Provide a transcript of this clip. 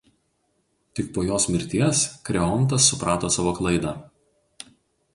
Tik po jos mirties Kreontas suprato savo klaidą.